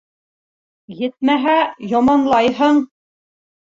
Етмәһә, яманлайһың!